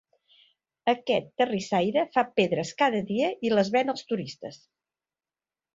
Aquest terrissaire fa pedres cada dia i les ven als turistes.